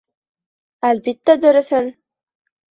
— Әлбиттә, дөрөҫөн.